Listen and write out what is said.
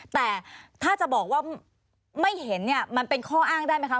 แต่ถ้าจะบอกว่าไม่เห็นเนี่ยมันเป็นข้ออ้างได้ไหมคะ